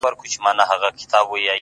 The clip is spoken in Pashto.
له ما پـرته وبـــل چــــــاتــــــه.!